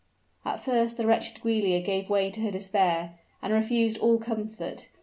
At first the wretched Giulia gave way to her despair, and refused all comfort.